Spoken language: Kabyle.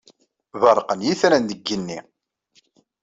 Berrqen yetran deg igenni.